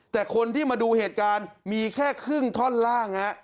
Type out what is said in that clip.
แต่คนที่มาดูเหตุการณ์มีแค่ครึ่งท่อนล่างฮะ